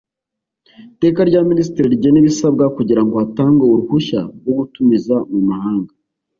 Iteka rya Minisitiri rigena ibisabwa kugira ngo hatangwe uruhushya rwo gutumiza mu mahanga